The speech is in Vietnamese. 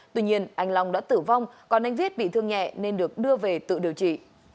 tuy nhiên anh long đã tử vong còn anh viết bị thương nhẹ nên được đưa về tự điều trị